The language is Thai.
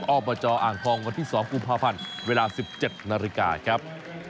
ออกประจออ่างทองวันที่๒กลุ่ม๕๐๐๐เวลา๑๗นาฬิกาครับ